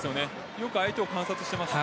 よく相手を観察しています。